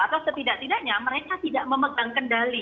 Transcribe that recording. atau setidak tidaknya mereka tidak memegang kendali